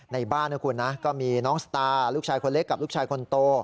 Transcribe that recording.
ในบ้านนะคุณนะก็มีน้องสตาร์ลูกชายคนเล็กกับลูกชายคนโต